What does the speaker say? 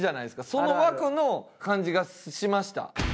その枠の感じがしました。